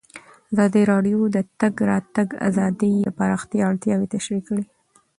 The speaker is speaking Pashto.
ازادي راډیو د د تګ راتګ ازادي د پراختیا اړتیاوې تشریح کړي.